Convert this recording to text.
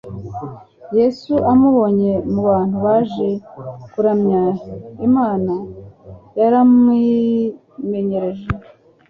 Yesu amubonye mu bantu baje kuramya Imana yaramwimenyesheje